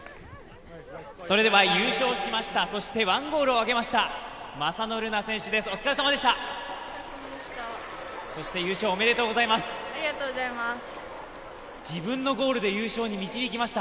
それでは優勝しましたそしてワンゴールをあげました正野瑠菜選手です、お疲れさまでした。